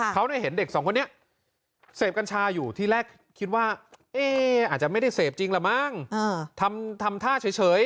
เขาเห็นเด็กสองคนนี้เสพกัญชาอยู่ที่แรกคิดว่าอาจจะไม่ได้เสพจริงละมั้งทำท่าเฉย